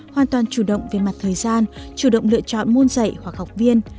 hoàn toàn chủ động về mặt thời gian chủ động lựa chọn môn dạy hoặc học viên